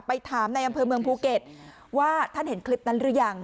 ถามในอำเภอเมืองภูเก็ตว่าท่านเห็นคลิปนั้นหรือยัง